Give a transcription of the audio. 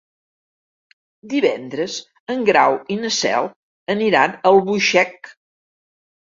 Divendres en Grau i na Cel aniran a Albuixec.